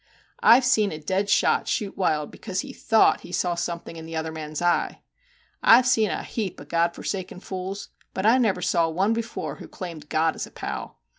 I Ve seen a dead shot shoot wild because he thought he saw something in the other man's eye. I Ve seen a heap of God forsaken fools, but I never saw one before who claimed God as a pal.